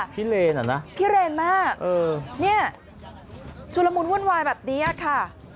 พิเรนเหรอนะพิเรนมากนี่ชุดละมุนหุ้นวายแบบนี้ค่ะ